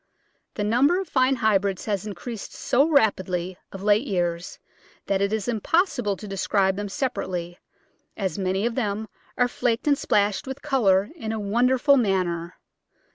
The number of fine hy brids have increased so rapidly of late years that it is impossible to describe them separately, as many of them are flaked and splashed with colour in a won derful manner.